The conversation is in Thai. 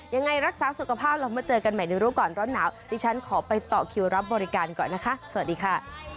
ยังไงรักษาสุขภาพแล้วมาเจอกันใหม่ในรู้ก่อนร้อนหนาวดิฉันขอไปต่อคิวรับบริการก่อนนะคะสวัสดีค่ะ